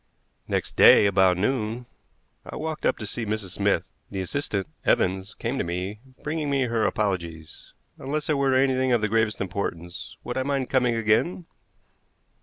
Next day about noon I walked up to see Mrs. Smith. The assistant, Evans, came to me, bringing me her apologies. Unless it were anything of the gravest importance, would I mind coming again?